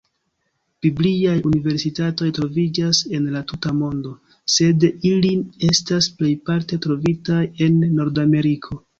Bibliaj universitatoj troviĝas en la tuta mondo, sed ili estas plejparte trovitaj en Nordameriko.